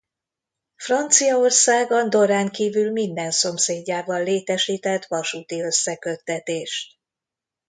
Franciaország Andorrán kívül minden szomszédjával létesített vasúti összeköttetést.